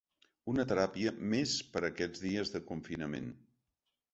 Una teràpia més per a aquests dies de confinament.